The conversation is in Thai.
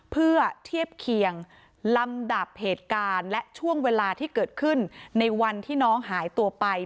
เพื่อเทียบเคียงลำดับเหตุการณ์และช่วงเวลาที่เกิดขึ้นในวันที่น้องหายตัวไป